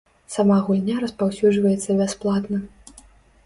Сама гульня распаўсюджваецца бясплатна.